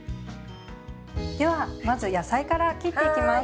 ではまず野菜から切っていきます。